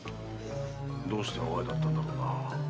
どうして安房屋だったんだろうな。